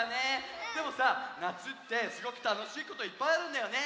でもさなつってすごくたのしいこといっぱいあるんだよね！